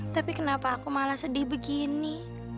tapi kenapa aku malah sedih begini